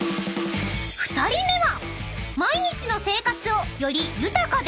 ［２人目は］